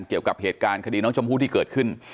เกี่ยวกับเหตุการณ์คดีน้องชมพู่ที่เกิดขึ้น